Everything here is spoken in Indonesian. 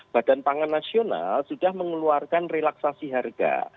badan pangan nasional sudah mengeluarkan relaksasi harga